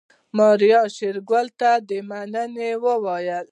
ماريا شېرګل ته د مننې وويل.